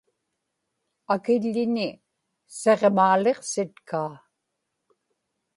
akiḷḷiñi siġmaaliqsitkaa